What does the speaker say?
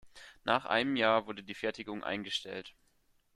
Nach einem Jahr wurde die Fertigung eingestellt.